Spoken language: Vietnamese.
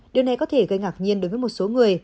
điều này có thể gây ngạc nhiên đối với một số người